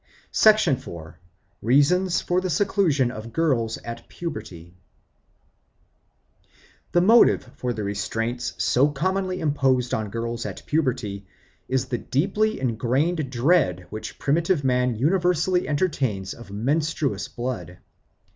4. Reasons for the Seclusion of Girls at Puberty THE MOTIVE for the restraints so commonly imposed on girls at puberty is the deeply engrained dread which primitive man universally entertains of menstruous blood.